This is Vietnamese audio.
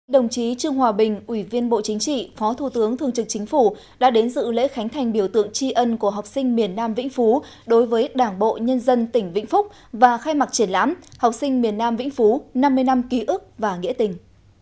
đồng chí trương hòa bình ủy viên bộ chính trị phó thủ tướng thương trực chính phủ đã đến dự lễ khánh thành biểu tượng tri ân của học sinh miền nam vĩnh phú đối với đảng bộ nhân dân tỉnh vĩnh phúc và khai mạc triển lãm học sinh miền nam vĩnh phú năm mươi năm ký ức và nghĩa tình